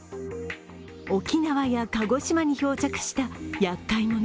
沖縄や鹿児島に漂着したやっかい者。